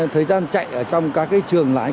thời gian chạy ở trong các cái trường lái